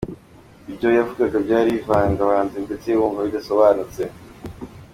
Ati “Ibyo yavugaga byari bivangavanze ndetse wumva bidasobanutse.